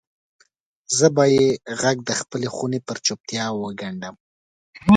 زه به یې ږغ دخپلې خونې پر چوپتیا وګنډم